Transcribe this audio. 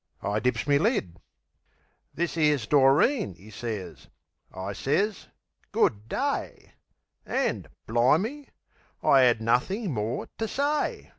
I dips me lid. "This 'ere's Doreen," 'e sez. I sez "Good day." An', bli'me, I 'ad nothin' more ter say!